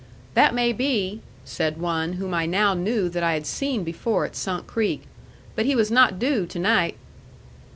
"That may be," said one whom I now knew that I had seen before at Sunk Creek; "but he was not due to night."